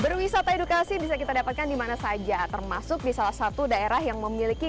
berwisata edukasi bisa kita dapatkan dimana saja termasuk di salah satu daerah yang memiliki